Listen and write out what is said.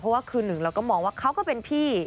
เพราะว่าคือหนึ่งเราก็มองว่าเขาก็เป็นพี่